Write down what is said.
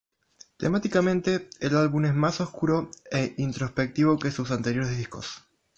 Temáticamente, el álbum es más oscuro e introspectivo que sus anteriores discos.